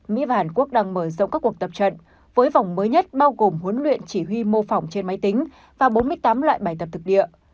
mỹ và hàn quốc đang mở rộng các cuộc tập trận với vòng mới nhất bao gồm huấn luyện chỉ huy mô phỏng trên máy tính và bốn mươi tám loại bài tập thực địa